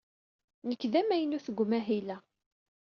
Nekk d amaynut deg umahil-a.